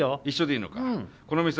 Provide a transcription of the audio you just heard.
一緒でいいのか？